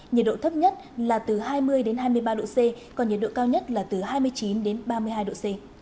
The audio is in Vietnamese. nhiệt độ thấp nhất là từ hai mươi hai mươi ba độ c còn nhiệt độ cao nhất là từ hai mươi chín đến ba mươi hai độ c